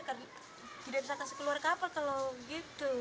karena tidak bisa kasih keluar kapal kalau gitu